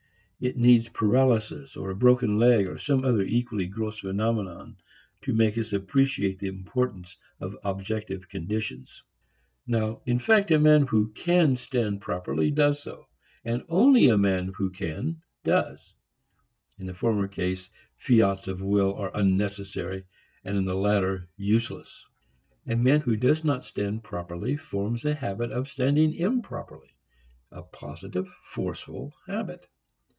It needs paralysis or a broken leg or some other equally gross phenomenon to make us appreciate the importance of objective conditions. I refer to Alexander, "Man's Supreme Inheritance." Now in fact a man who can stand properly does so, and only a man who can, does. In the former case, fiats of will are unnecessary, and in the latter useless. A man who does not stand properly forms a habit of standing improperly, a positive, forceful habit.